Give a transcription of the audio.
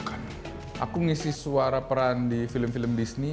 aku ngisi suara peran di film film disney